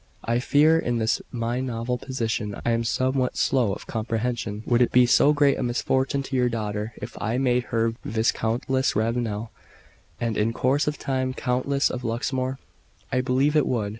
"I fear in this my novel position I am somewhat slow of comprehension. Would it be so great a misfortune to your daughter if I made her Viscountess Ravenel, and in course of time Countess of Luxmore?" "I believe it would.